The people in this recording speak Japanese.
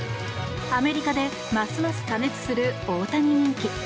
アメリカでますます過熱する大谷人気。